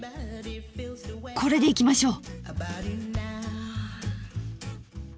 これでいきましょう。